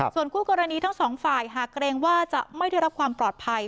ส่วนคู่กรณีทั้งสองฝ่ายหากเกรงว่าจะไม่ได้รับความปลอดภัย